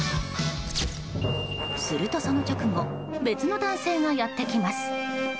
すると、その直後別の男性がやってきます。